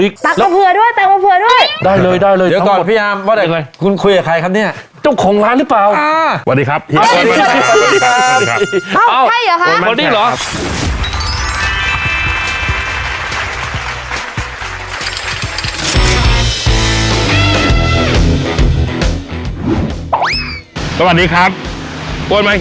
สวัสดีครับโอ้โหของเขาเยอะจริงเยอะที่เห็นเนี่ยมีทั้งผัก